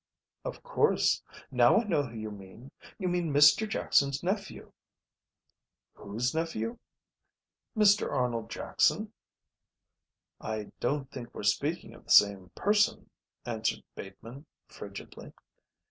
"Of course. Now I know who you mean. You mean Mr Jackson's nephew." "Whose nephew?" "Mr Arnold Jackson." "I don't think we're speaking of the same person," answered Bateman, frigidly.